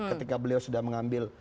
ketika beliau sudah mengambil